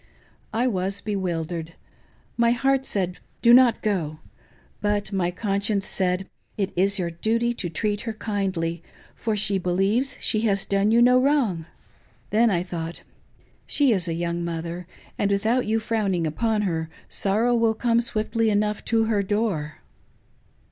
I was bewildered. — My heart said. Do not go ; but my conscience said, It is your duty to treat her kindly, for she believes she has done you no wrong. Then I thought — She is a young mother, and with out ypu frowning upon her, sorrow will come swiftly enough to her door.